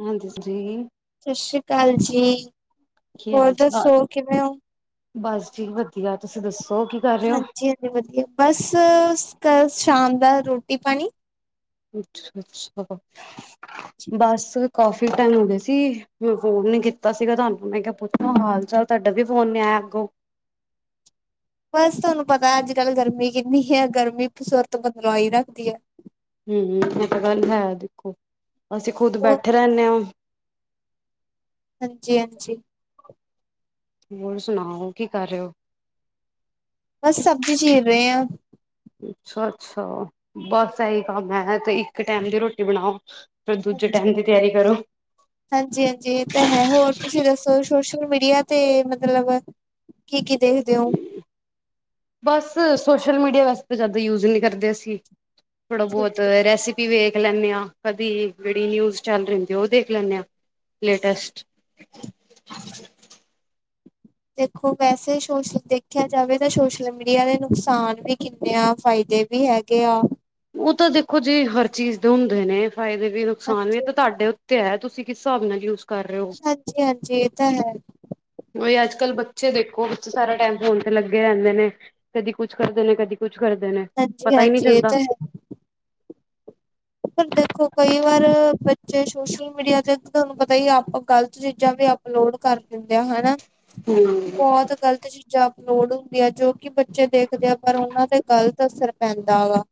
ਹਾਂਜੀ ਜੀ, ਫਰੀ। ਸਤਿ ਸ਼੍ਰੀ ਅਕਾਲ ਜੀ ਕੀ ਹੋਰ ਦੱਸੋ ਹਾਲ-ਚਾਲ? ਕਿਵੇਂ ਹੋ? ਬਸ ਠੀਕ ਵਧੀਆ ਤੁਸੀਂ ਦੱਸੋ ਕਿ ਹਾਂਜੀ -ਹਾਂਜੀ ਵਧੀਆ, ਬਸ ਕੱਲ ਸ਼ਾਮ ਦਾ ਰੋਟੀ- ਪਾਣੀ ਅੱਛਾ-ਅੱਛਾ- ਬੱਸ ਕਾਫੀ ਠੀਕ ਟਾਈਮ ਹੋ ਗਏ ਸੀ ਮੈਂ ਫੋਨ ਨੀ ਕੀਤਾ ਸੀਗਾ ਤੁਹਾਨੂੰ ਮੈਂ ਕਿਹਾ ਪੁੱਛਣਾ ਹਾਲ- ਚਾਲ ਤੁਹਾਡਾ ਵੀ ਫੋਨ ਨੀ ਆਇਆ ਅੱਗੋਂ। ਬਸ ਤੁਹਾਨੂੰ ਪਤਾ ਐ ਅੱਜ- ਕੱਲ ਗਰਮੀ ਕਿੰਨੀ ਐ ਗਰਮੀਸੂਰਤ ਬਦਲਾਈ ਰੱਖਦੀ ਐ। ਹੂ- ਹੂ ਐ ਤਾਂ ਗੱਲ ਹੈ, ਦੇਖੋ ਅਸੀਂ ਖੁੱਦ ਹੋਰ ਬੈਠੇ ਰਹਿਣੇ ਐ। ਹਾਂਜੀ -ਹਾਂਜੀ। ਹੋਰ ਸੁਣਾਓ ਕੀ ਕਰ ਰਹੇ ਹੋ? ਬਸ ਸਬਜ਼ੀ ਚੀਰ ਰਹੇ ਆ। ਅੱਛਾ- ਅੱਛਾ, ਬਸ ਇਹੀ ਕੰਮ ਹੈ ਤੇ ਇੱਕ ਟੈਮ ਦੀ ਰੋਟੀ ਬਣਾਓ। ਫਿਰ ਦੂਜੇ ਦੀ ਹਾਂਜੀ। ਟਾਈਮ ਦੀ ਤਿਆਰੀ ਕਰੋ। ਹਾਂਜੀ-ਹਾਂਜੀ ਇਹ ਤਾਂ ਹੈ ਹੋਰ ਤੁਸੀਂ ਦੱਸੋ ਸੋਸ਼ਲ ਮੀਡੀਆ ਤੇ ਮਤਲਬ ਕੀ ਕੀ ਦੇਖਦੇ ਹੋ? ਬਸ ਸੋਸ਼ਲ ਮੀਡੀਆ ਵੈਸਤੇ ਤਾਂ ਜ਼ਿਆਦਾ ਯੂਜ ਨਹੀਂ ਕਰਦੇ ਅਸੀਂ ਥੋੜ੍ਹਾ ਠੀਕ ਬਹੁਤ ਹੈ, ਰੈਸਪੀ ਵੀ ਵੇਖ ਲੈਂਨਦੇ ਹਾਂ ਕਦੀ ਜਿਹੜੀ ਨਿਊਜ਼ ਚੈਨਲ ਰਹਿੰਦੀ ਆ ਉਹ ਦੇਖ ਲੈਂਨਦੇ ਹਾਂ। ਲੇਟੈਸਟ ਦੇਖੋ ਵੈਸੇ ਸੋਸ਼ਲ ਦੇਖਿਆ ਜਾਵੇ ਤਾਂ ਸੋਸ਼ਲ ਮੀਡੀਆ ਦੇ ਨੁਕਸਾਨ ਵੀ ਕਿੰਨੇ ਆ ਫਾਇਦੇ ਵੀ ਹੈਗੇ ਐ। ਉਹ ਤਾਂ ਦੇਖੋ ਜੇ ਹਰ ਚੀਜ਼ ਦੇ ਹੁੰਦੇ ਨੇ ਫ਼ਾਇਦੇ ਵੀ ਨੁਕਸਾਨ ਵੀ ਤਾਂ ਤੁਹਾਡੇ ਉੱਤੇ ਹੈ ਤੁਸੀਂ ਕਿਸ ਹਿਸਾਬ ਨਾਲ ਯ ਹਾਂਜੀ- ਹਾਂਜੀ ਇਹ ਤਾਂ ਹੈ। ਉਹੀ ਅੱਜ ਕੱਲ੍ਹ ਬੱਚੇ ਦੇਖੋ ਬੱਚੇ ਸਾਰਾ ਟਾਈਮ ਫੋਨ ਤੇ ਲੱਗੇ ਰਹਿੰਦੇ ਨੇ। ਕਦੀ ਕੁੱਛ ਕਰਦੇ ਨੇ, ਕਦੀ ਕੁਛ ਕਰਦੇ ਨੇ। ਹਾਂਜੀ- ਪਤਾ ਹੀ ਨਹੀਂ ਹਾਂਜੀ ਇਹ ਚੱਲਦਾ ਤਾਂ ਹੈ। ਫੇਰ ਦੇਖੋ ਕਈ ਵਾਰ ਬੱਚੇ ਸੋਸ਼ਲ ਮੀਡੀਆ ਤੇ ਤੁਹਾਨੂੰ ਪਤਾ ਹੀ ਆਪਾਂ ਗ਼ਲਤ ਚੀਜ਼ਾਂ ਵੀ ਅਪਲੋਡ ਕਰ ਦਿੰਦੇ ਆ ਹਨਾ ਹੂੰ ਬਹੁਤ ਗ਼ਲਤ ਚੀਜ਼ਾਂ ਅਪਲੋਡ ਹੁੰਦੀਆਂ ਜੋ ਕਿ ਬੱਚੇ ਦੇਖਦੇ ਆ ਪਰ ਉਹਨਾਂ ਤੇ ਗ਼ਲਤ ਅਸਰ ਪੈਂਦਾ ਹੈ।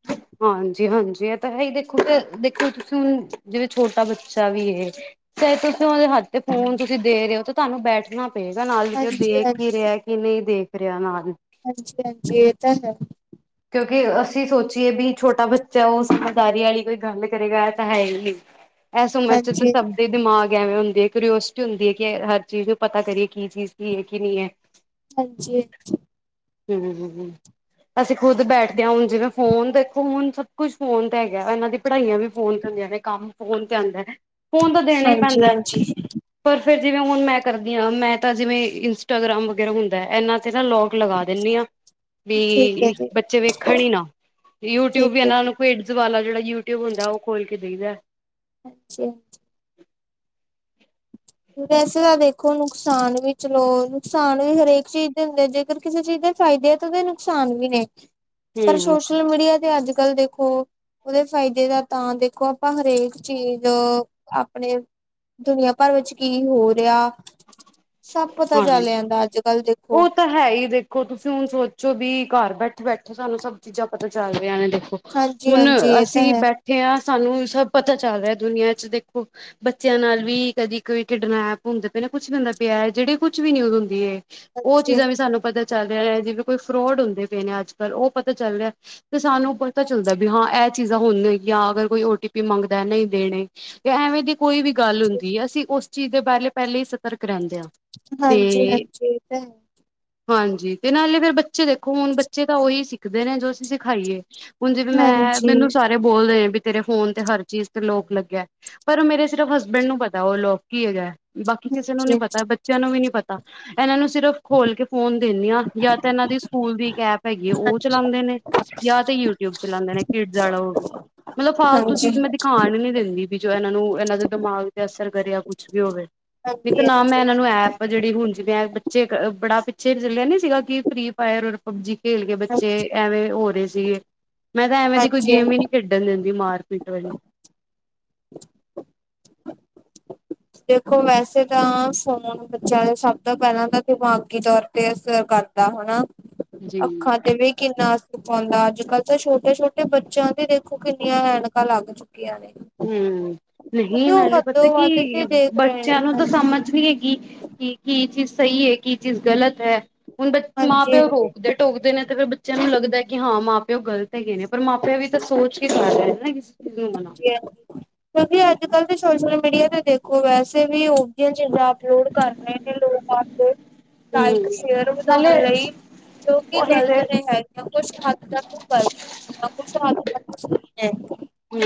ਹਾਂਜੀ -ਹਾਂਜੀ ਇਹ ਤਾਂ ਹੈ ਹੀ ਦੇਖੋ ਦੇਖੋ ਤੁਸੀਂ ਹੁਣ ਜਿਵੇਂ ਛੋਟਾ ਬੱਚਾ ਵੀ ਇਹ ਚੇ ਤੁਸੀਂ ਉਹਦੇ ਹੱਥ ਤੇ ਫੋਨ ਤੁਸੀਂ ਦੇ ਰਹੇ ਹੋ ਤੇ ਤੁਹਾਨੂੰ ਬੈਠਣਾ ਪੇਗਾ ਨਾਲ ਜ ਉਹ ਦੇਖ ਹਾਂਜੀ-ਹਾਂਜੀ, ਹੀ, ਰਿਹਾ ਕਿ ਨਹੀਂ ਦੇਖ ਰਿਹਾ ਨਾਲ ਹਾਂਜੀ-ਹਾਂਜੀ ਇਹ ਤਾਂ ਹੈ ਕਿਉਂਕਿ ਅਸੀਂ ਸੋਚੀਏ ਵੀ, ਛੋਟਾ ਬੱਚਾ ਉਹ ਸਮਝਦਾਰੀ ਵਾਲੀ ਕੋਈ ਗੱਲ ਕਰੇਗਾ ਤਾਂ ਹੈ ਹੀ ਨੀ ਇਸ ਉਮਰ ਚ, ਤਾਂ ਹਾਂਜੀ, ਸਭ ਦਿਮਾਗ ਐਵੇਂ ਹੁੰਦੇ ਹੈ, ਕਰਓਸਿਟੀ ਹੁੰਦੀ ਹੈ ਕਿ ਹਰ ਚੀਜ਼ ਨੂੰ ਪਤਾ ਕਰੀਏ! ਕੀ ਚੀਜ਼ ਕੀ, ਹੈ ਕੀ ਨਹੀਂ ਹੈ। ਹਾਂਜੀ-ਹਾਂਜੀ ਹ, ਹੂ, ਹੂ ਖੁਦ ਬੈਠਦਾ ਹੈ, ਹੁਣ ਜਿਵੇਂ ਫੋਨ ਦੇਖੋ ਹੁਣ ਸਭ ਕੁੱਛ ਫੋਨ ਤੇ, ਹੈਗਾ। ਇਹਨਾਂ ਦੇ, ਪੜ੍ਹਾਈਆਂ ਵੀ, ਫੋਨ ਤੇ ਹੁੰਦੀਆਂ ਨੇ, ਕੰਮ ਫੋਨ ਤੇ ਆਉਂਦਾ ਫੋਨ ਤਾਂ ਦੇਣਾ ਹੀ ਪੈਂਦਾ। ਹਾਂਜੀ-ਹਾਂਜੀ। ਪਰ ਫਿਰ ਜਿਵੇਂ ਹੁਣ ਮੈਂ, ਕਰਦੀ ਹਾਂ ਮੈਂ ਤਾਂ ਜਿਵੇਂ ਇੰਸਟਾਗ੍ਰਾਮ ਵਗੈਰਾ ਹੁੰਦਾ। ਇਹਨਾ ਚ ਨਾ ਲੌਗ! ਲਗਾ ਦਿੰਦੀ ਹ ਠੀਕ ਹੈ ਵੀ, ਜੀ, ਬੱਚੇ ਵੇਖਣ ਹੀ ਨਾ। ਯੂਟਿਊਬ ਠੀਕ ਵੀ ਹੈ ਇਹਨਾਂ ਜੀ, ਨੂੰ ਪੀਡਸ ਵਾਲਾ ਜੇੜਾ ਯੂਟਿਊਬ ਹੁੰਦਾ, ਓ ਖੋਲ ਕੇ ਦੇਈ ਦਾ। ਅੱਛਾ। ਵੈਸੇ ਤਾਂ ਦੇਖੋ, ਨੁਕਸਾਨ ਵੀ ਚਲੋ ਨੁਕਸਾਨ ਵੀ ਹਰ, ਏਕ ਚੀਜ਼ ਦੇ ਹੁੰਦੇ ਜੇ। ਅਰ, ਕਿਸੇ ਚੀਜ਼ ਦੇ ਫੈਦੇ ਆ ਤਾਂ ਉਦੇ ਨੁਕਸਾਨ ਵੀ ਨੇ ਪਰ ਹਮ ਸੋਸ਼ਲ ਮੀਡੀਆ ਤੇ ਅੱਜ-ਕੱਲ ਦੇ ਦੇ ਔਦੇ ਫਾਇਦੇ ਤਾ ਦੇਖੌ, ਪਰ ਹਰੇਕ ਚੀਜ਼ ਆਪਣੇ ਦੁਨੀਆਂ ਪਰ ਵਿੱਚ ਕੀ ਹੋ ਰਿਹਾ, ਸਬ ਪਤਾ ਹਾਂਜੀ ਚੱਲ ਜਾਂਦਾ ਅੱਜ-ਕੱਲ ਦੇਖੋ। ਉਹ ਤਾਂ ਹੈ ਈ, ਦੇਖੋ ਤੁਸੀਂ ਹੁਣ ਸੋਚੋ ਵੀ, ਘਰ ਬੈਠੇ-ਬੈਠੇ ਸਾਨੂੰ ਸਬ ਚੀਜ਼ਾਂ ਪਤਾ ਚੱਲ ਰਿਹਾ ਨੇ ਦੇਖੋ। ਹਾਂਜੀ ਹੁਣ ਹਾਂਜੀ ਇਹ ਤਾਂ ਅਸੀਂ ਹੈ ਬੈਠੇ ਹਾਂ, ਸਾਨੂੰ ਵੀ ਸਬ ਪਤਾ ਚੱਲ ਰਿਹਾ ਦੁਨੀਆਂ ਚ, ਦੇਖੋ। ਬੱਚਿਆਂ ਨਾਲ ਵੀ, ਕਦੀ ਕੋਈ ਕਿਡਨ ਐਪ ਹੁੰਦੇ ਪਏ ਨਾ, ਕੁਛ ਬੰਦਾ ਪਿਆਰ ਜਿਹੜੀ ਕੁਛ ਵੀ, ਨੀ ਔ ਹੁੰਦੀ ਹੈ ਉਹ ਹਾਂਜੀ ਚੀਜ਼ਾਂ ਵੀ ਹਾਂਜੀ ਸਾਨੂੰ ਪਤਾ ਚੱਲ ਰਿਆਂ ਜਿਵੇਂ ਕੋਈ ਫਰੋਡ ਹੁੰਦੇ ਪਏ ਨੇ, ਅੱਜ-ਕੱਲ੍ਹ, ਉ ਪਤਾ ਚੱਲ ਰਿਹਾ। ਤੇ ਸਾਨੂੰ ਪਤਾ ਚੱਲਦਾ ਵੀ, ਹਾਂ ਐ ਚੀਜ਼ਾਂ ਹੋਣ ਯਾ ਅਗਰ ਕੋਈ ਉ ਟੀ ਪੀ ਮੰਗਦਾ ਨ੍ਈ ਦੇਣੇ। ਤੇ ਐਵੇਂ ਦੀ ਕੋਈ ਵੀ ਗੱਲ ਹੋਂਦੀ ਐ ਅਸੀਂ ਔਸ ਚੀਜ਼ ਦੇ ਬਾਰੇ ਪੈਲੇ ਈ, ਸਤਰਕ ਰੈਂਦੇ ਆਂ। ਹਾਂਜੀ-ਹਾਂਜੀ ਏ, ਤੇ ਹੈ। ਹਾਂਜੀ, ਤੇ ਨਾਲੇ ਫੇਰ ਬੱਚੇ ਦੇਖੋ, ਹੁਣ ਬੱਚੇ ਤਾਂ ਓਹੀ ਸਿੱਖਦੇ ਨੇ ਜੋ ਅਸੀਂ ਸਿਖਾਈਏ। ਹੁਣ ਜਿਵੇ ਮੈਂ, ਹਾਂਜੀ ਮੈਨੂੰ ਸਾਰੇ ਬੋਲਦੇ ਆ ਵੀ, ਤੇਰੇ ਫੋਨ ਤੇ ਹਰ ਚੀਜ਼ ਤੇ ਲੋਕ ਲੱਗੇ ਐ। ਪਰ ਮੇਰੇ ਸਿਰਫ਼ ਹਸਬੈਂਡ ਨੂੰ ਪਤਾ ਓ ਲੋਕ ਕੀ ਹੈਗੈ। ਬਾਕੀ ਕਿਸੇ ਨੂੰ ਨੀ ਹਾਂਜੀ ਪਤਾ ਬੱਚਿਆਂ ਨੂੰ ਵੀ, ਨੀ ਪਤਾ ਐਨਾਂ ਨੂੰ ਸਿਰਫ਼ ਖੋਲ ਕੇ ਫ਼ੋਨ ਦੇਨੀ ਆਂ ਯਾ ਤਾਂ ਐਨਾਂ ਦੀ ਸਕੂਲ ਦੀ ਐਪ ਹੈਗੀ ਏ, ਓ ਚਲਾਂਦੇ ਨੇ। ਯਾ ਤੇ ਯੂਟਯੂਬ ਚਲਾਂਦੇ ਨੇ ਕਿਡਜੑ ਆਲਾ ਓਵੀ ਮਲਬ ਫਾਲਤੂ ਚੀਜ਼ ਮੈਂ ਦਿਖਾਨ ਈ, ਨੀ ਦੇਂਦੀ। ਵਿ ਜੋ, ਏਨਾ ਨੂੰ, ਏਨਾ ਦੇ ਦਿਮਾਗ ਤੇ ਅਸਰ ਕਰੇ, ਯਾ ਕੁਛ ਵੀ ਹੋਵੇ, ਨਿ ਤਾਂ ਨਾ ਮੈਂ ਹਾਂਜੀ ਏਨਾ, ਨੂੰ ਐਪ ਆ ਜੇੜੀ ਹੁਣ, ਜਿਵੇਂ ਬੱਚੇ ਅ ਬੜਾ ਪਿੱਛੇ ਚੱਲਿਆ ਨੀ ਸੀਗਾ ਕਿ ਫਰੀ ਫਾਇਰ ਪਬਜੀ ਖੇਲ ਕੇ ਹਾਂਜੀ ਬੱਚੇ ਐਵੇਂ ਹੋ ਰਯੇ ਸਿਗੇ, ਮੈਂ ਤਾਂ ਐਵੇਂ ਦੀ ਕੋਈ ਹਾਂਜੀ ਗੇ਼ਮ ਈ ਨੀ ਖੇਡਣ ਨਿ ਦਿੰਦੀ, ਮਾਰਪੀਟ ਐਵੇਂ ਦੇਖੋ ਵੈਸੇੱ ਤਾ ਫੋਨ ਬੱਚਿਆਂ ਸਭ ਤੋ ਪਹਿਲਾ ਤਾ ਦਿਮਾਗ ਤੇ ਅ ਗੱਲ ਪਿਆ, ਹੋਨੈਂ ਜੀ ਅੱਖਾਂ ਤੇ, ਵੀ ਕਿੰਨਾ ਅਸਰ ਪਾਂਦਾ, ਅੱਜ-ਕੱਲ੍ਹ ਤੇ, ਛੋਟੇ-ਛੋਟੇ ਬੱਚਿਆਂ ਦੇ ਵੇਖੋ ਕਿੰਨੀਆਂ ਐਨਕਾਂ ਲੱਗ ਚੁੱਕੀਆਂ ਨੇ। ਹੂੰ, ਨਹੀਂ ਕਿਉਂਕਿ ਉਹ ਨਾਲੇ ਪਤਾ ਹੱਦੋਂ ਵੱਧ ਕੇ ਕਿ, ਦੇਖ ਰਹੇ ਨੇ ਬੱਚਿਆਂ ਨੂੰ ਤੇ ਹਾਂਜੀ-ਹਾਂਜੀ, ਸਮਝ ਵਿਏ ਕਿ, ਕੀ ਚੀਜ਼ ਸਈ ਏ, ਕੀ ਚੀਜ ਗਲਤ ਐ, ਏ ਸਬ ਮਾਂ ਪਿਉ ਈ, ਹਾਂਜੀ-ਹਾਂਜੀ। ਰੋਕਦੇ ਟੋਕਦੇ ਨੇ, ਤੇ ਫੇਰ ਔ ਬਚਿਆਂ ਨੂੰ ਲੱਗਦਾ ਕਿ ਹਾਂ ਮਾਂ, ਪਿਓ ਗਲਤ ਹੈਗੇ ਨੇ, ਪਰ ਮਾਂ ਪਿਓ ਵੀ ਕੱਛ ਸੋਚ ਕੇ ਕਰ ਰੇਨੇ ਸਬ! ਨੀ ਮਣਾ ਕੀ ਐ ਕਿਉਂਕਿ, ਅੱਜ-ਕੱਲ ਦੇ ਸੋਸ਼ਲ ਮੀਡੀਆ ਤੇ, ਦੇਖੋ ਵੈਸੇ ਵੀ ਉਹ ਜੀਆ ਚੀਜ਼ਾਂ ਅਪਲੋਡ ਕਰ ਰਹੇ ਤਾ ਹੂੰ ਇਕ ਸ਼ੇਅਰ ਨਾਲੇ ਵਧਾਓਣ ਲਈ, ਜੋ ਕਿ ਉਹੀ ਤੇ ਗ਼ਲਤ ਨਈ ਹੈ ਨ ਕੁਛ ਹੱਦ ਤਕ ਔ ਗਲਤ, ਨਾ ਕੁਛ ਹੱਦ ਤਕ ਔ ਸਹੀ ਐ ਹੈ। ਹੂ,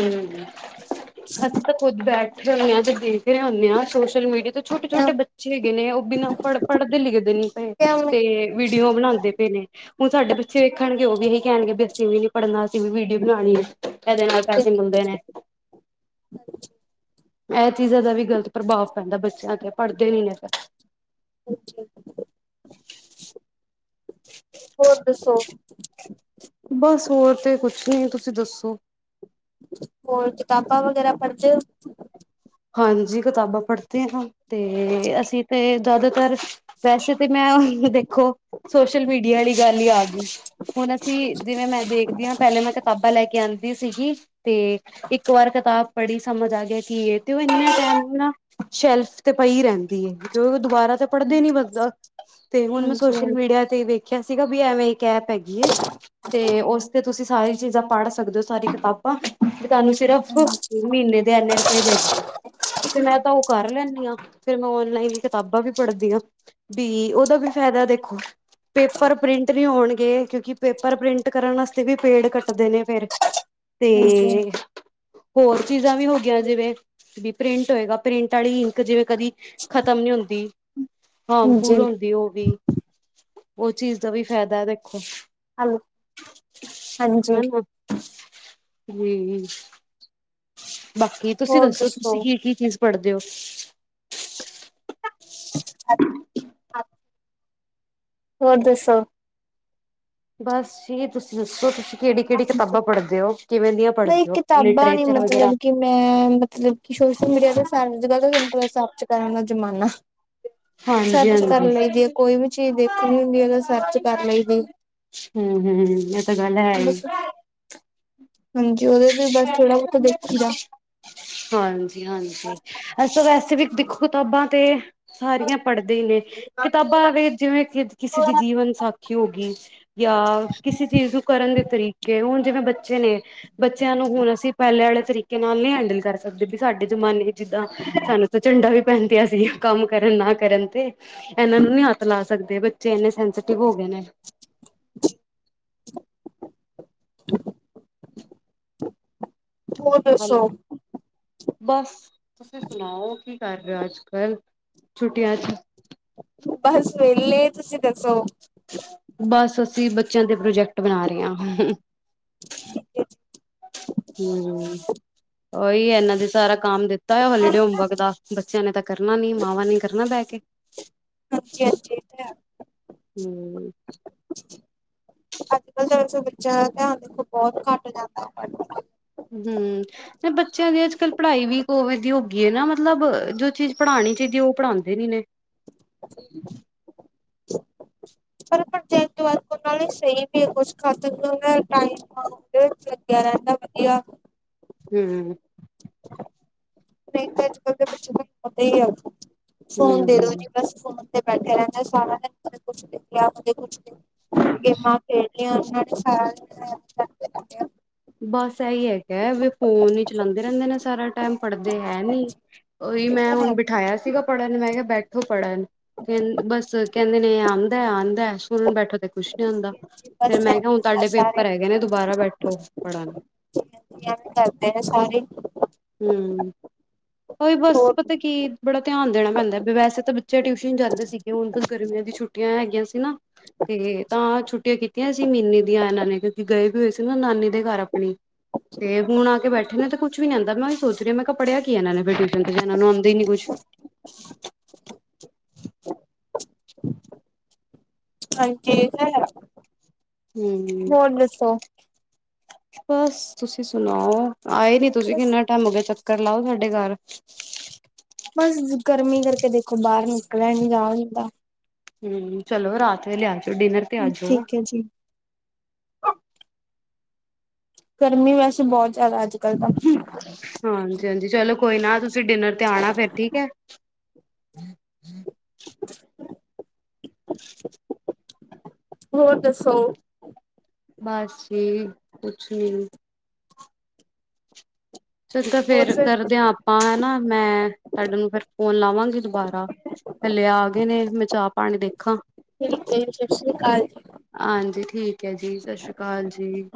ਅਸੀਂ ਤਾਂ ਖੁੱਦ ਬੈਠੇ ਹੋਏ ਆ, ਤੇ ਦੇਖ ਰਹੇ ਹੁੰਨੇ ਯਾ ਸੋਸ਼ਲ ਮੀਡੀਯਾ ਉ ਛੋਟੇ ਹੈ। ਛੋਟੇ ਬੱਚੇ ਹੈਗੇ ਨੇ, ਉ ਬਿਨਾਂ ਪੜ ਪੜਦੇ -ਲਿਖਦੇ ਨੀ ਪਏ ਤੇ! ਵੀਡੀਓ ਬਣਾਉਂਦੇ ਪਏ ਨੇ! ਹੁਣ ਸਾਡੇ ਬੱਚੇ ਵੇਖਣਗੇ, ਔਹ ਵੀ ਏਹੀ ਕੈਣਗੇ ਵੀ ਅਸੀਂ ਵੀ ਨੀ ਪੜ੍ਹਨਾ, ਅਸੀਂ ਵੀ ਵੀਡੀਓ ਬਣਾਉਣੀ ਹੈ ਏਦੇ ਨਾਲ ਪੈਸੇ ਮਿਲਦੇ ਨੇ ਐ ਚੀਜ਼ਾਂ ਦਾ ਵੀ ਗ਼ਲਤ ਪ੍ਰਬਾਵ ਪੈਂਦੈ ਬੱਚੇਯਾਂ ਤੇ, ਪੜਦੇ ਨੀ ਏ ਫੇਰ ਹੋਰ ਦੱਸੋ ਬਸ ਹੋਰ ਤੇ ਕੁਛ ਨਈ, ਤੁਸੀ ਦੱਸੋ? ਹੋਰ, ਕਿਤਾਬਾਂ ਵਗੈਰਾ ਪੜਦੇ ਓ? ਹਾਂਜੀ, ਕਿਤਾਬਾਂ ਪੜਦੇ ਹਾਂ, ਤੇ ਅਸੀ ਤੇ ਜਯਾਦਾਤਰ ਵੈਸੇ ਤੇ ਮੈਂ ਹੁਣ ਦੇਖੋ, ਸੋਸ਼ਲ ਮੀਡੀਆ ਆਲੀ ਗਾੱਲ ਈ ਆ ਗੀ। ਹੁਨ ਅਸੀ ਜਿਵੇਂ ਮੈਂ ਦੇਖਦੀ ਆਂ, ਪੈਹਲੇ ਮੈਂ ਕਿਤਾਬਾਂ ਲੈ ਕੇ ਆਂਦੀ ਪੜੀ ਸੀਗੀ, ਤੇ ਇੱਕ ਵਾਰ ਕਿਤਾਬ ਪੜੀ ਸਮਜ ਆ ਗਯਾ ਕਿ ਏ ਤੇ ਏਨੇ ਟਾਈਮ ਨਾ ਸ਼ੈਲਫ ਤੇ ਪਈ ਰੈਂਦੀ ਏ, ਕਿਉਂਕਿ ਓ ਦੁਬਾਰਾ ਤੋ ਪੜਦੇ ਨੀ ਬੰਦਾ, ਤੇ ਹੁਨ ਮੈਂ ਹਾਂਜੀ-ਹਾਂਜੀ। ਸੋਸ਼ਲ ਮੀਡੀਆ ਤੇ ਵੇਖਯਾ ਸੀਗਾ, ਵੀ ਐਵੇਂ ਇੱਕ ਐਪ ਹੈਗੀ ਏ ਤੇ ਉਸ ਤੇ ਤੁਸੀਂ ਸਾਰੀ ਚੀਜ਼ਾਂ ਪੜ੍ਹ ਸਕਦੇ ਹੋ ਸਾਰੀ ਕਿਤਾਬਾਂ ਤੇ ਤੁਹਾਨੂੰ ਸਿਰਫ ਹਾਂਜੀ, ਮਹੀਨੇ ਦੇ ਇੰਨੇ ਰੁਪਏ ਦੇਣੇ ਤੇ ਮੈਂ ਤਾਂ ਉਹ ਕਰ ਲੈਂਨੀ ਆਂ, ਫੇਰ ਮੈਂ ਔਨਲਾਈਨ ਈ ਕਿਤਾਬਾਂ ਵੀ ਪੜ੍ਹਦੀ ਆਂ। ਤੇ ਉਹਦਾ ਵੀ ਫ਼ਾਇਦਾ ਦੇਖੋ ਪੇਪਰ ਪ੍ਰਿੰਟ ਨਹੀਂ ਹੋਣਗੇ, ਕਿਉਂਕਿ ਪੇਪਰ ਪ੍ਰਿੰਟ ਕਰਨ ਵਾਸਤੇ ਵੀ ਪੇੜ ਕੱਟਦੇ ਨੇ ਫੇਰ। ਤੇ ਹਾਂਜੀ, ਹੋਰ ਚੀਜ਼ਾਂ ਵੀ ਹੋਗਿਆਂ ਜਿਵੇਂ ਵੀ ਪ੍ਰਿੰਟ ਹੋਏਗਾ, ਪ੍ਰਿੰਟ ਵਾਲੀ ਇੰਕ ਜਿਵੇਂ ਕਦੀ ਖਤਮ ਨੀ ਹੁੰਦੀ। ਹਾਰਮਫੁੱਲ ਹਾਂਜੀ, ਹੋਂਦੀ ਉਹ ਵੀ, ਉਹ ਚੀਜ਼ ਦਾ ਵੀ ਫਾਇਦਾ ਹੈ ਦੇਖੋ ਹੈਲੋ, ਹਾਂਜੀ। ਹਨਾ ਜੀ ਬਾਕੀ ਤੁਸੀਂ ਦੱਸੋ, ਤੁਸੀਂ ਕੀ ਕੀ ਚੀਜ਼ ਪੜ੍ਹਦੇ ਹੋ? [unintelligible] ਹੋਰ ਦੱਸੌ ਬਸ ਜੀ ਤੁਸੀਂ ਦੱਸੋ, ਤੁਸੀਂ ਕਿਹੜੀ ਕਿਹੜੀ ਕਿਤਾਬਾਂ ਪੜ੍ਹਦੇ ਹੋ ਕਿਵੇਂ ਦੀਆਂ ਨਹੀਂ ਪੜ੍ਹਦੇ ਹੋ ਕਿਤਾਬਾਂ ਨੀ ਲਿਟਰੇਚਰ ਵਗੈਰਾ ਮਤਲਬ ਕਿ ਕਿ ਮੈਂ ਮਤਲਬ ਕਿ ਸੋਸ਼ਲ ਮੀਡੀਆ ਦਾ ਸਾਰੇ ਜਗਾਂਹ ਦਾ ਰਿਸਰਚ ਕਰਨ ਦਾ ਜ਼ਮਾਨਾ ਹਾਂਜੀ ਸਰਚ ਹਾਂਜੀ ਕਰਨ ਲਈ ਦੀ ਹੈ, ਕੋਈ ਵੀ ਚੀਜ਼ ਦੇਖਣੀ ਹੁੰਦੀ ਹੈ। ਸਰਚ ਕਰ ਲਈ ਦੀ, ਹੂੰ ਹੂੰ ਇਹ ਤਾਂ ਗੱਲ ਹੈ ਹੀ ਬਸ ਹਾਂਜੀ ਉਹਦੇ ਤੇ ਬਸ ਥੋੜਾ ਬਹੁਤ ਦੇਖੀ ਦਾ ਹਾਂਜੀ ਹਾਂਜੀ ਅੱਛਾ ਵੈਸੇ ਵੀ ਦੇਖੋ ਕਿਤਾਬਾਂ ਤੇ ਸਾਰੀਆਂ ਪੜ੍ਹਦੇ ਹੀ ਨੇ, ਕਿਤਾਬਾਂ ਵੇਂ ਜਿਵੇਂ ਕਿ ਕਿਸੇ ਦੀ ਜੀਵਨ ਸਾਖੀ ਹੋ ਗਈ ਜਾਂ ਕਿਸੇ ਚੀਜ਼ ਨੂੰ ਕਰਨ ਦੇ ਤਰੀਕੇ ਹੁਣ ਜਿਵੇਂ ਬੱਚੇ ਨੇ, ਬੱਚਿਆਂ ਨੂੰ ਹੁਣ ਅਸੀਂ ਪਹਿਲੇ ਵਾਲੇ ਤਰੀਕੇ ਨਾਲ ਨਹੀ ਹੈਂਡਲ ਕਰ ਸਕਦੇ, ਵੀ ਸਾਡੇ ਜਮਾਨੇ ਜਿੱਦਾਂ ਸਾਨੂੰ ਤਾਂ ਝੰਡਾ ਵੀ ਪੈਂਦੀਆਂ ਸੀ, ਕੰਮ ਕਰਨ ਨਾ ਕਰਨ ਤੇ ਇਹਨਾਂ ਨੂੰ ਨੀ ਹੱਥ ਲਾ ਸਕਦੇ ਬ ਬੱਚੇ ਇਨੇ ਸੈਂਸਟਿਵ ਹੋ ਗਏ ਨੇ। [unintelligible] ਹੋਰ ਹੈਲੋ ਦੱਸੋ ਬਸ ਤੁਸੀਂ ਸੁਣਾਓ? ਕਰ ਰਿਓ ਅੱਜ ਕੱਲ ਛੁੱਟੀਆਂ ਚ? ਬਸ ਵੇਲੇ ਤੁਸੀਂ ਦੱਸੋ? ਬਸ ਅਸੀਂ ਬੱਚਿਆਂ ਦੇ ਪ੍ਰੋਜੈਕਟ ਬਣਾ ਰਿਆ। ਠੀਕ ਐ ਜੀ। ਹੂੰ ਓਈ ਐਨਾਂ ਦੇ ਸਾਰਾ ਕਾਮ ਦਿੱਤਾ ਹੋਇਆ ਹੋਲੀਡੇ ਹੋਮਵਰਕ ਦਾ ਬੱਚਿਆਂ ਨੇ ਤਾਂ ਕਰਨਾ ਨੀ ਮਾਵਾਂ ਨੇ ਈ ਕਰਨਾ ਬੈ ਕੇ। ਹਾਂਜੀ-ਹਾਂਜੀ ੳ ਤੇ ਹੈ। [inaudible] ਅੱਜ-ਕੱਲ ਤਾਂ ਬੱਚਿਆਂ ਦਾ ਧਿਆਨ ਦੇਖੋ ਬੋਤ ਘੱਟ ਜਾਂਦਾ ਪੜ੍ਹਨ ਵੱਲ। ਹੂੰ ਬੱਚਿਆਂ ਦੀ ਅੱਜ-ਕੱਲ ਪੜ੍ਹਾਈ ਵੀ [unintelligible] ਦੀ ਹੋਗੀ ਐ ਨਾ ਮਤਲਬ ਜੋ ਚੀਜ਼ ਪੜ੍ਹਾਣੀ ਚਾਈਦੀ ਐ ਓ ਪੜ੍ਹਾਂਦੇ ਨੀ ਨੇ ਪਰ ਪ੍ਰੋਜੈਕਟ ਵਰਕ ਉਨਾਂ ਨੇ ਸਈ ਵੀ ਕੁਛ [inaudible] ਟਾਈਮ [inaudible] ਵਧੀਆ। ਹੂੰ। ਨਈ ਤਾਂ ਅੱਜ-ਕੱਲ ਦੇ [inaudible] ਆ ਹੂੰ, ਫੋਨ ਦੇ ਦੋ ਹੂੰ। ਜੀ। ਬਸ ਫੋਨ ਤੇ ਬੈਠੇ ਰੈਨੇ ਸਾਰਾ ਦਿਨ ਕਦੀ ਕੁਛ ਦੇਖ ਲਿਆ ਕਦੀ ਕੁਛ ਗੇਮਾਂ ਖ਼ੇੜਲੀਆਂ [inaudible] ਬਸ ਐਈ ਹੈਗੈ ਵੀ ਫੋਨ ਈ ਚਲਾਂਦੇ ਰੈਂਦੇ ਨੇ ਸਾਰਾ ਟਾਈਮ ਆ ਪੜ੍ਹਦੇ ਹੈ ਨੀ ਓਈ ਇਹ ਮੈਂ ਤਾਂ ਹੈ ਹੁਣ ਬਿਠਾਇਆ ਸੀਗਾ ਪੜ੍ਹਨ ਮੈਂ ਕਿਆ ਬੈਠੋ ਪੜ੍ਹਣ ਕੇਂਨ ਬਸ ਕੇਂਦੇ ਨੇ ਆਂਦੈ-ਆਂਦੈ ਸੁਣਣ ਬੈਠੋ ਤੇ ਕੁਛ ਨੀ ਆਂਦਾ ਫਿਰ ਬਸ ਮੈਂ ਕਿਆ ਐਵੇਂ ਹੁਣ ਹੁੰਦਾ ਤੁਹਾਡੇ ਸਾਰੇ ਪੇਪਰ ਹੈਗੇ ਨੇ ਦੁਬਾਰਾ ਬੈਠੋ ਪੜਣ। ਯਾਦ ਕਰਦੇ ਹੈ ਸਾਰੇ ਹੂੰ, ਹੋਈ ਬਸ ਹੋਰ ਪਤਾ ਕੀ ਬੜਾ ਧਿਆਨ ਦੇਣਾ ਪੈਂਦਾ ਤੇ ਵੈਸੇ ਤੇ ਬੱਚੇ ਟਿਊਸ਼ਨ ਜਾਂਦੇ ਸੀਗੇ ਹੁਣ ਤਾ ਗਰਮੀਆਂ ਦੀ ਛੁੱਟੀਆਂ ਹੈਗੀਆਂ ਸੀ ਨਾ। ਤੇ, ਤਾਂ ਛੁੱਟੀਆਂ ਕੀਤੀਆਂ ਸੀ ਮਿਨੇ ਦੀਆਂ ਇਹਨਾਂ ਨੇ ਕਿਉਂਕਿ ਗਏ ਹੋਏ ਸੀ ਨਾ ਨਾਨੀ ਦੇ ਘਰ ਆਪਣੀ। ਤੇ, ਹੁਣ ਆ ਕੇ ਬੈਠੇ ਨੇ ਤੇ ਕੁਛ ਵੀ ਨੀ ਆਦਾ ਮੈਂ ਐ ਸੋਚ ਰਹੀ ਮੈਂ ਕਿਆ ਪੜਿਆਂ ਕਿ ਏਨਾ ਨੇ ਫਿਰ ਟਿਊਸ਼ਨ ਇਹਨਾਂ ਨੂੰ ਆਉਂਦਾ ਨੀ ਕੁਛ [inaudible] [inaudible] ਭਾਜੀ ਠੀਕ ਐ ਹੂੰ ਬਸ ਤੁਸੀਂ ਸੁਨਾਓ ਆਏ ਨੀ? ਤੁਸੀਂ ਬਸ ਕਿੰਨਾ ਟਾਇਮ ਹੋ ਗਿਆ ਚੱਕਰ ਲਾਓ ਸਾਡੇ ਘਰ। ਬਸ, ਗਰਮੀ ਕਰਕੇ ਦੇਖੋ ਬਾਹਰ ਨਿਕਲਿਆ ਨੀ ਜਾਂਦਾ। ਹੂੰ, ਚਲੋ ਰਾਤ ਵੇਲੇ ਆ ਜੋ ਡਿਨਰ ਤੇ ਆ ਜੋ। ਹਾਂਜੀ। [inaudible] ਗਰਮੀ ਵੈਸੇ ਬੋਤ ਜ਼ਿਆਦਾ ਅੱਜ ਕੱਲ ਤਾਂ। ਹਾਂਜੀ-ਹਾਂਜੀ ਚਲੋ ਕੋਈ ਨਾ ਤੁਸੀਂ ਡਿਨਰ ਤੇ ਆਣਾ ਫਿਰ ਠੀਕ ਆ। ਹੋਰ ਦੱਸੋ। ਬਸ ਜੀ ਕੁਛ ਨੀ ਚੰਗਾ ਹੋਰ ਫਿਰ ਸਭ ਕਰਦੇ ਹਾਂ ਆਪਾਂ ਹੈਨਾ ਮੈਂ, ਤੁਆਡੇ ਨੂੰ ਫਿਰ ਫੋਨ ਲਾਵਾਂਗੀ ਦੁਬਾਰਾ। ਥੱਲੇ ਆ ਗਏ ਨੇ ਮੈਂ ਚਾਹ ਪਾਣੀ ਦੇਖਾਂ ਠੀਕ ਐ ਸਤਿ ਸ਼੍ਰੀ ਕਾਲ ਜੀ। ਹਾਂਜੀ ਠੀਕ ਹੈ ਜੀ ਸਤਿ ਸ੍ਰੀ ਕਾਲ ਜੀ।